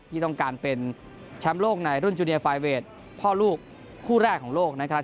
ที่ต้องการเป็นแชมป์โลกในรุ่นจูเนียไฟเวทพ่อลูกคู่แรกของโลกนะครับ